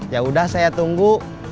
yaudah saya tunggu